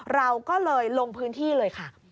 เราก็เลยลงพื้นที่เลยค่ะ